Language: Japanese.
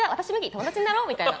友達になろう！みたいな。